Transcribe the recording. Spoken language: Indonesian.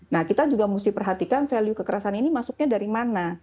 nah kita juga mesti perhatikan value kekerasan ini masuknya dari mana